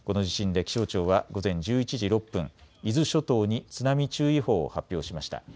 この地震で気象庁は午前１１時６分、伊豆諸島に津波注意報を発表しました。